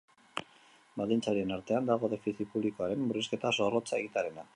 Baldintza horien artean dago defizit publikoaren murrizketa zorrotza egitearena.